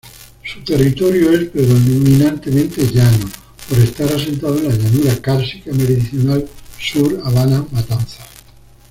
Su territorio es predominantemente llano por estar asentado en la llanura cársica-meridional sur Habana-Matanzas.